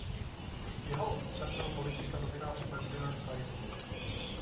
Jeho otcem byl politik a novinář Ferdinand Seidl.